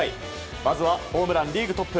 まずはホームランリーグトップ